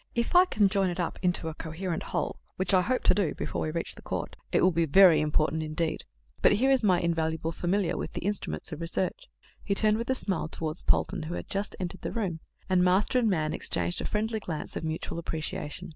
If I can join it up into a coherent whole, as I hope to do before I reach the court, it will be very important indeed but here is my invaluable familiar, with the instruments of research." He turned with a smile towards Polton, who had just entered the room, and master and man exchanged a friendly glance of mutual appreciation.